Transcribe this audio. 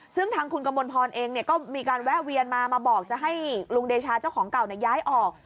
ซึ่งทางคุณกมลพรเองก็มีการแวะเวียนมามาบอกจะให้ลุงเดชาเจ้าของเก่าย้ายออก